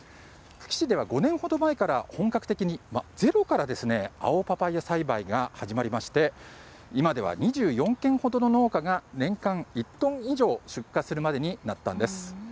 久喜市では５年ほど前から本格的にゼロから、青パパイア栽培が始まりまして、今では２４軒ほどの農家が年間１トン以上出荷するまでになったんです。